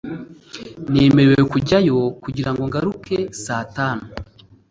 nemerewe kujyayo kugira ngo ngaruke saa tanu